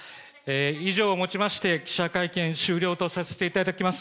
以上をもちまして、記者会見終了とさせていただきます。